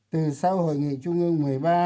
từ sau hội nghị trung ương một mươi ba